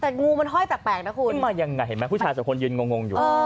แต่งูมันห้อยแปลกนะคุณขึ้นมายังไงเห็นไหมผู้ชายสองคนยืนงงอยู่